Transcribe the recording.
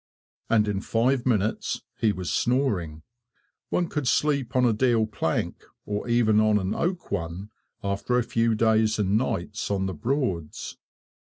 And in five minutes he was snoring! One could sleep on a deal plank, or even on an oak one, after a few days and nights on the Broads.